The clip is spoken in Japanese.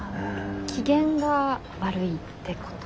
機嫌が悪いってこと。